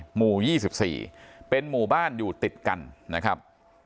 หมู่ยี่สิบสี่เป็นหมู่บ้านอยู่ติดกันนะครับ